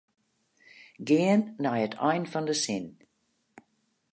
Gean nei it ein fan de sin.